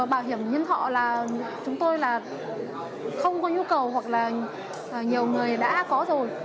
bảo hiểm nhân thọ là chúng tôi là không có nhu cầu hoặc là nhiều người đã có rồi